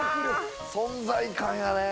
存在感やねぇ。